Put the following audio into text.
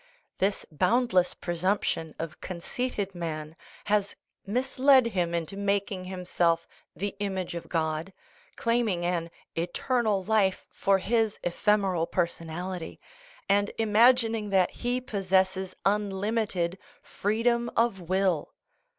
This boundless presumption of conceited man has misled him into making himself " the image of God," claiming an " eternal life " for his ephemeral personality, and imagining that he possesses unlimited "freedom of will."